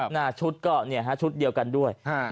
หน้าชุดก็ชุดเดียวกันด้วย